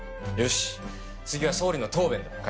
よし次は総理の答弁だ。